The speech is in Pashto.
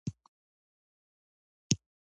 يو ناڅاپه ډزې شوې.